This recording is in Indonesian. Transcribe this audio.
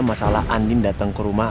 masalah andin datang kerumah